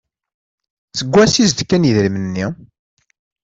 Seg ansi i s-d-kan idrimen-nni?